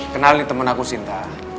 kenalin temen aku sinta